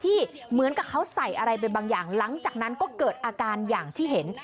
เหมือนกับเขาใส่อะไรไปบางอย่างหลังจากนั้นก็เกิดอาการอย่างที่เห็น